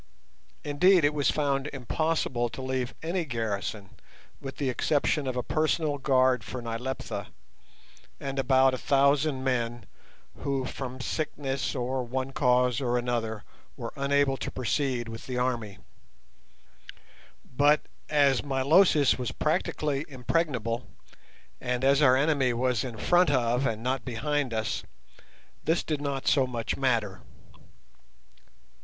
Indeed, it was found impossible to leave any garrison with the exception of a personal guard for Nyleptha, and about a thousand men who from sickness or one cause or another were unable to proceed with the army; but as Milosis was practically impregnable, and as our enemy was in front of and not behind us, this did not so much matter.